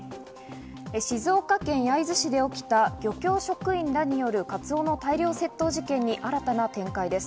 静岡県焼津市で起きた漁協職員らによるカツオの大量窃盗事件に新たな展開です。